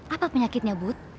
apa penyakitnya bud